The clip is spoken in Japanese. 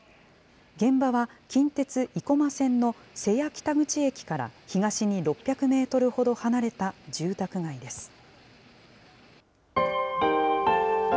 現場は、近鉄生駒線の勢野北口駅から東に６００メートルほど離れた住宅街です。